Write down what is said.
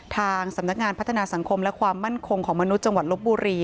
ทางสำนักงานพัฒนาสังคมและความมั่นคงของมนุษย์จังหวัดลบบุรี